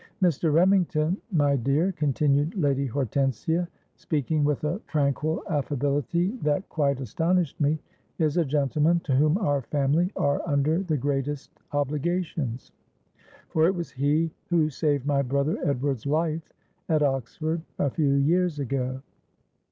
—'Mr. Remington, my dear,' continued Lady Hortensia, speaking with a tranquil affability that quite astonished me, 'is a gentleman to whom our family are under the greatest obligations; for it was he who saved my brother Edward's life at Oxford a few years ago.'